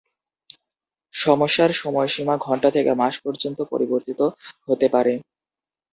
সমস্যার সময়সীমা ঘণ্টা থেকে মাস পর্যন্ত পরিবর্তিত হতে পারে।